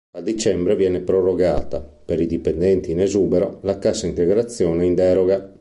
A dicembre viene prorogata, per i dipendenti in esubero, la cassa integrazione in deroga.